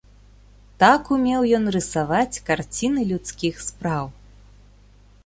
Так умеў ён рысаваць карціны людскіх спраў.